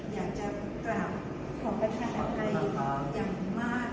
อยากจะกลับของกันแค่ไหนดีกว่าอย่างมาก